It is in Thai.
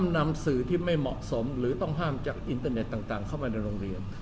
นี่เราบิน